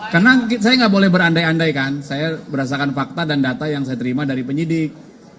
karena saya gak boleh berandai andai kan saya berasakan fakta dan data yang saya terima dari penyidik